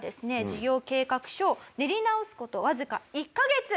事業計画書を練り直す事わずか１カ月。